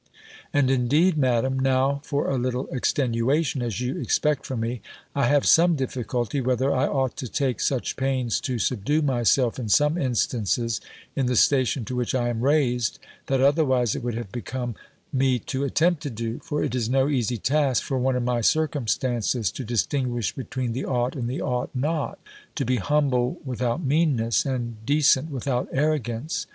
And, indeed, Madam (now for a little extenuation, as you expect from me), I have some difficulty, whether I ought to take such pains to subdue myself in some instances, in the station to which I am raised, that otherwise it would have become me to attempt to do: for it is no easy task, for one in my circumstances, to distinguish between the ought and the ought not; to be humble without meanness, and decent without arrogance.